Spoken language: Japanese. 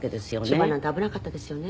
千葉なんて危なかったですよね。